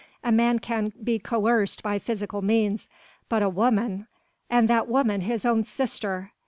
A man can be coerced by physical means, but a woman ... and that woman his own sister!